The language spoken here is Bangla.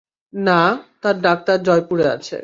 না, তার ডাক্তার জয়পুরে আছে।